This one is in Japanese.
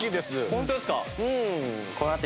ホントですか？